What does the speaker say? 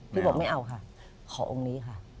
พี่บอกไม่เอาค่ะขอองค์นี้ค่ะ